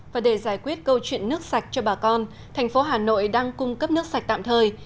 và để giải quyết câu chuyện nước sạch cho bà con thành phố hà nội đang cung cấp nước sạch tạm thời